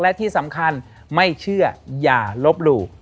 และที่สำคัญไม่เชื่ออย่าลบหลู่